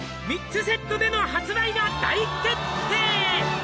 「３つセットでの発売が大決定！」